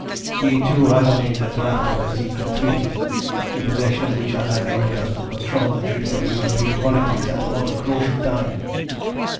He too had on him the draft of the secret treaty, the possession of which has enabled us to control the drift of European politics at the most crucial time.